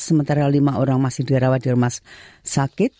sementara lima orang masih dirawat di rumah sakit